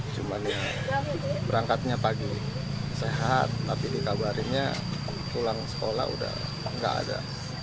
cuman ya berangkatnya pagi sehat tapi dikabarinnya pulang sekolah udah nggak ada